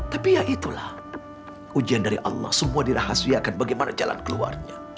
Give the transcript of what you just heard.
tapi ya itulah ujian dari allah semua dirahasiakan bagaimana jalan keluarnya